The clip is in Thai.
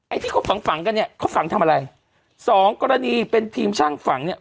ที่เขาฝังฝังกันเนี่ยเขาฝังทำอะไรสองกรณีเป็นทีมช่างฝังเนี่ย